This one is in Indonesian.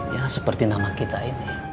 ya seperti nama kita ini